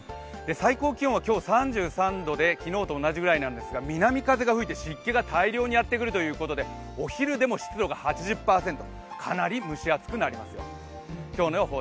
最高気温は今日３３度で昨日と同じくらいなんですが南風が吹いて湿気が大量にやってくるということでお昼でも湿度が８０％、かなり蒸し暑くなりますよ。